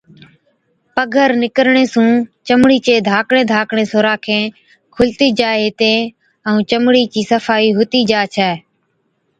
پگھر نِڪرڻي سُون چمڙِي چي ڌاڪڙين ڌاڪڙين سوراخين کُلتِي جائي هِتين ائُون چمڙِي چِي صفائِي هُتِي جا ڇَي۔